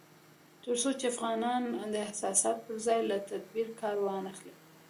تر څو چې افغانان د احساساتو پر ځای له تدبير کار وانخلي